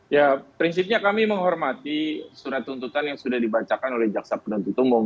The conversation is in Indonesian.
ya prinsipnya kami menghormati surat tuntutan yang sudah dibacakan oleh jaksa penuntut umum